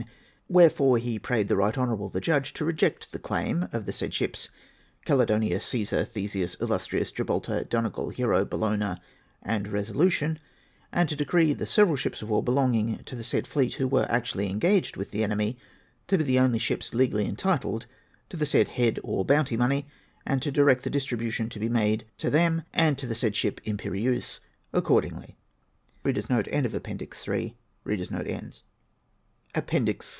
Wherefore he prayed the Eight Honourable the Judge to reject the claim of the said ships, Caledonia, GcEsar, The seus, Illustrious, Gibraltar, Donegal, Hero, JBellona, and Resolution, and to decree the several ships of war belonging to the said fleet who were actually engaged tuith the enemy to be the only ships legally entitled to the said head or bounty money, and to direct the distribution to be made to them and to the said ship Imperieuse accordingly. APPENDIX IV.